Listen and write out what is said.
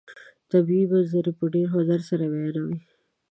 طبیعي منظرې په ډېر هنر سره بیانوي.